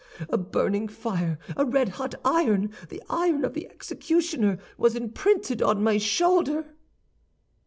A burning fire, a red hot iron, the iron of the executioner, was imprinted on my shoulder."